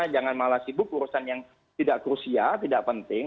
jangan malah sibuk urusan yang tidak krusial tidak penting